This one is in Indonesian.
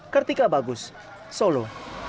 kertika bagus solo